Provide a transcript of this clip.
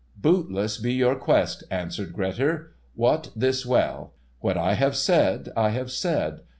"Bootless be your quest," answered Grettir. "Wot this well. What I have said, I have said.